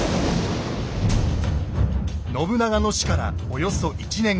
信長の死からおよそ１年後。